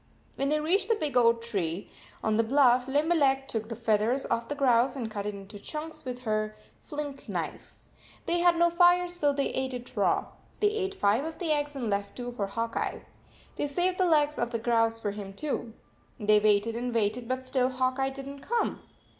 When they reached the big oak tree on the bluff, Limberleg took the feathers off the grouse and cut it into chunks with her flint knife. They had no fire, so they ate it raw. They ate five of the eggs and left two for Hawk Eye. They saved the legs of the grouse for him, too. They waited and waited, but still Hawk Eye did not come.